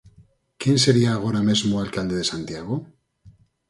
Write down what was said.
Quen sería agora mesmo alcalde de Santiago?